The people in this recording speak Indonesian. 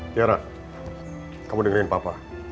tiara kamu dengerin papa